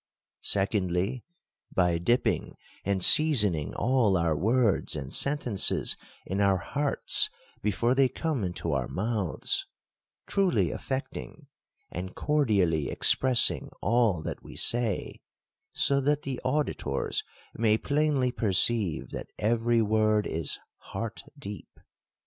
— Secondly, by dipping and seasoning all our words and sentences in our hearts before they come into our mouths ; truly affecting, and cordially express ing all that we say : so that the auditors may plainly perceive that every word is heart deep.